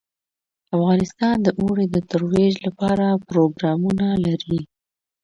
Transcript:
افغانستان د اوړي د ترویج لپاره پروګرامونه لري.